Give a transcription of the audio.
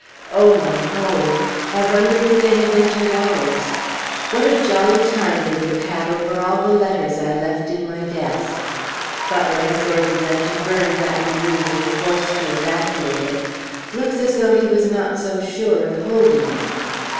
O my home! I wonder if they have entered ours? What a jolly time they would have over all the letters I left in my desk! Butler has ordered them to burn Baton Rouge if forced to evacuate it. Looks as though he was not so sure of holding it.